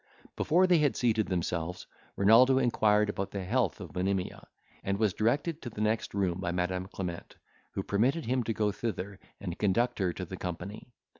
Before they had seated themselves, Renaldo inquired about the health of Monimia, and was directed to the next room by Madam Clement, who permitted him to go thither, and conduct her to the company.